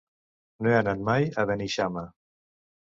No he anat mai a Beneixama.